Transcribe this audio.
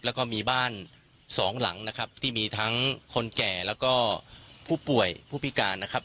แล้วก็มีบ้านสองหลังนะครับที่มีทั้งคนแก่แล้วก็ผู้ป่วยผู้พิการนะครับ